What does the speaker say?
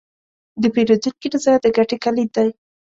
د پیرودونکي رضایت د ګټې کلید دی.